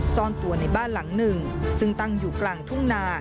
ซ่อนตัวในบ้านหลังหนึ่งซึ่งตั้งอยู่กลางทุ่งนา